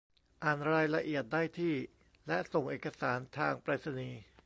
อ่านรายละเอียดได้ที่ และส่งเอกสารทางไปรษณีย์